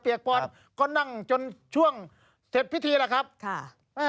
เปียกปอนด์ก็นั่งจนช่วงเศรษฐ์พิธีแหละครับ